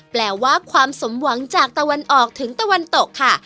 แปลว่าความสมหวังจากตะวันออกถึงตะวันตกค่ะ